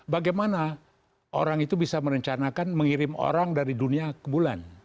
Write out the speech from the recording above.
bagaimana orang itu bisa merencanakan mengirim orang dari dunia ke bulan